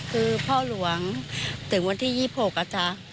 คือพ่อหลวงถึงวันที่๒๖นอาจารย์